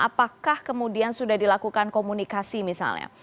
apakah kemudian sudah dilakukan komunikasi misalnya